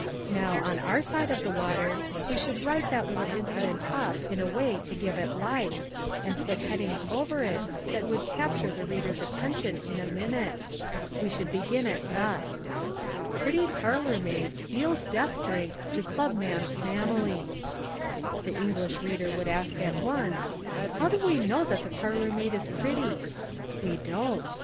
Now on our side of the water we should write that little incident up in a way to give it life, and put headings over it that would capture the reader's attention in a minute. We should begin it thus: PRETTY PARLOR MAID DEALS DEATH DRINK TO CLUBMAN'S FAMILY The English reader would ask at once, how do we know that the parlor maid is pretty? We don't.